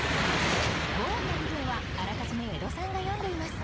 五音の部分はあらかじめ江戸さんが詠んでいます。